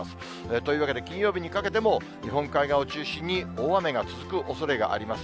というわけで金曜日にかけても、日本海側を中心に、大雨が続くおそれがあります。